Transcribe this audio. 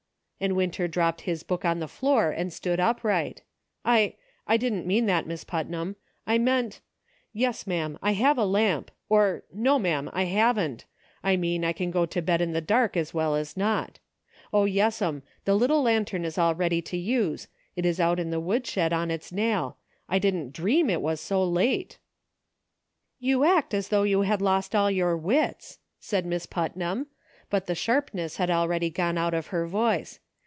And Winter dropped his book on the floor and stood upright. "I — I didn't mean that, Miss Putnam ; I meant — yes, ma'am, I have a lamp ; or, no, ma'am, I haven't ; I mean I can go to bed in the dark as well as not. O, yes'm ! the little lantern is all ready to use ; it is out in the wood shed on its nail ; I didn't dream it was so late." " You act as though you had lost all your wits," said Miss Putnam ; but the sharpness had already gone out of her voice.